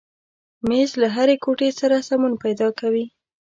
مېز له هرې کوټې سره سمون پیدا کوي.